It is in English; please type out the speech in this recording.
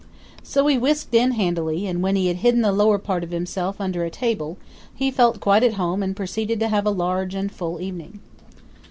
So he whisked in handily, and when he had hidden the lower part of himself under a table he felt quite at home and proceeded to have a large and full evening.